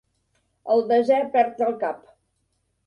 El desè perd el cap.